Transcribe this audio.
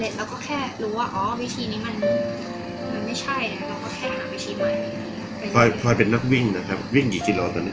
เราก็แค่หาวิธีใหม่ปล่อยเป็นนักวิ่งนะครับวิ่งกี่กี่รอตอนนี้